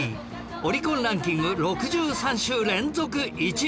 オリコンランキング６３週連続１位